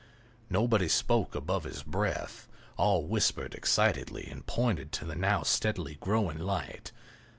Nobody spoke above his breath; all whispered excitedly and pointed to the now steadily growing light.